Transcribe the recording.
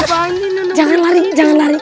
jangan lari jangan lari jangan lari